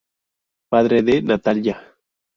Padre de Natalya.